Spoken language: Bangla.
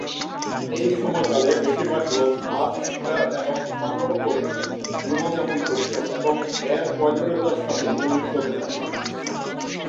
এই সময়কালে, বেশিরভাগ লোক মাছ শিকার এবং সংগ্রহ করে জীবনযাপন করত এবং এর প্রয়োজনীয়তার সাথে নিয়মিত চলতে থাকে।